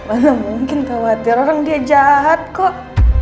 mana mungkin khawatir orang dia jahat kok